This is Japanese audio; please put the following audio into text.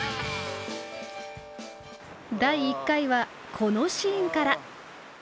第１回はこのシーンから。